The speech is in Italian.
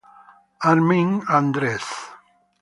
Armin Andres